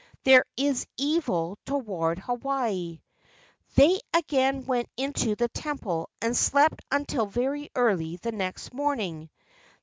There is evil toward Hawaii." They again went into the temple and slept until very early the next morning.